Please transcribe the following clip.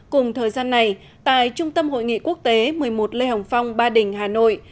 cùng thời gian này tại trung tâm hội nghị quốc tế một mươi một lê hồng phong ba đình hà nội